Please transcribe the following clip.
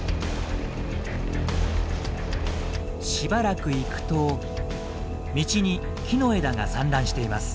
しばらく行くと道に木の枝が散乱しています。